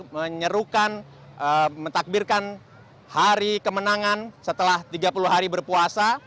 menyerukan mentakbirkan hari kemenangan setelah tiga puluh hari berpuasa